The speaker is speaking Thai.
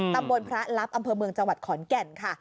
ตำบลพระลับอำเภอเมืองจังหวัดขอนแก่นค่ะ